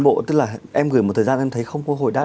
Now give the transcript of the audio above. ba bốn bộ tức là em gửi một thời gian em thấy không có hồi đáp